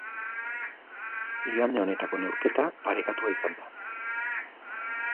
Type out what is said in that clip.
Igande honetako neurketa parekatua izan da.